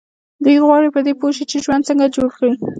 دوی غواړي پر دې پوه شي چې ژوند څنګه جوړ کړي.